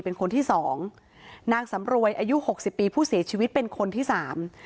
เป็นคนที่สองนางสำรวยอายุหกสิบปีผู้เสียชีวิตเป็นคนที่สาม